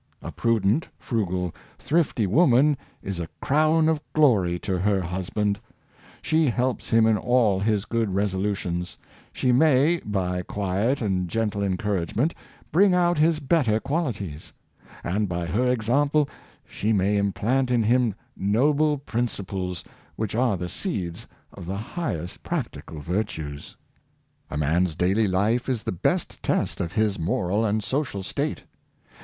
A prudent, frugal, thrifty woman is a crown of glory to her hus band. She helps him in all his good resolutions; she may, by quiet and gentle encouragement, bring out his better qualities; and by her example she may implant in him noble principles, which are the seeds of the highest practical virtues. 444 A Man's Daily Life. A man's daily life is the best test of his moral and social state.